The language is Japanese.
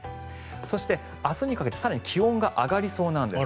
そして、明日にかけて更に気温が上がりそうなんです。